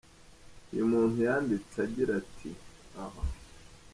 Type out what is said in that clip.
Uyu muntu yanditse agira ati: “R.